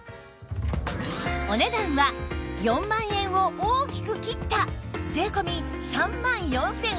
お値段は４万円を大きく切った税込３万４８００円